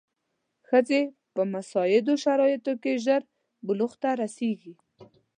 ښځې په مساعدو شرایطو کې ژر بلوغ ته رسېږي.